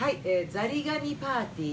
ザリガニパーティー。